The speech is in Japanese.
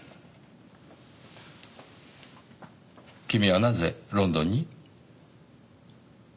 君はなぜロンドンに？